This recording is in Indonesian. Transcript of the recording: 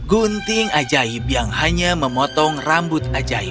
gunting ajaib yang hanya memotong rambut ajaib